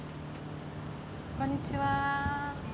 こんにちは。